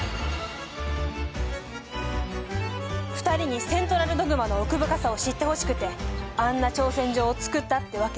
２人にセントラルドグマの奥深さを知ってほしくてあんな挑戦状を作ったってわけ。